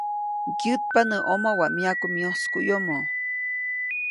‒Ŋgyätpa näʼomo waʼa myaku myoskuʼyomo-.